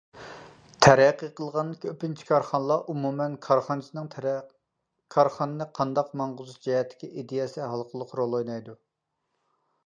تەرەققىي قىلغان كۆپىنچە كارخانىدا، ئومۇمەن، كارخانىچىنىڭ كارخانىنى قانداق ماڭغۇزۇش جەھەتتىكى ئىدىيەسى ھالقىلىق رول ئوينايدۇ.